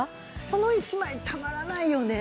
この一枚たまらないよね。